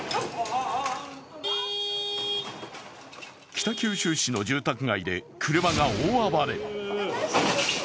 北九州市の住宅街で車が大暴れ。